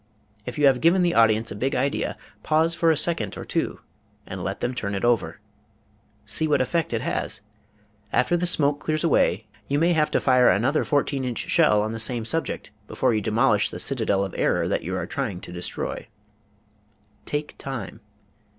If you have given the audience a big idea, pause for a second or two and let them turn it over. See what effect it has. After the smoke clears away you may have to fire another 14 inch shell on the same subject before you demolish the citadel of error that you are trying to destroy. Take time.